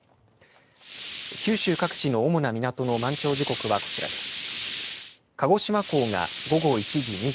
九州各地の主な港の満潮時刻はこちらです。